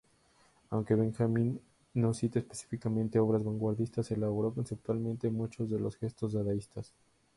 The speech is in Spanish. Aunque Benjamin no cita específicamente obras vanguardistas, elaboró conceptualmente muchos de los gestos dadaístas.